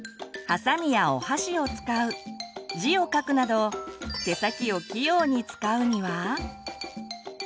はさみやお箸を使う字を書くなど手先を器用に使うには？